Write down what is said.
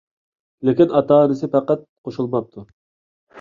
لېكىن ئاتا-ئانىسى پەقەت قوشۇلماپتۇ.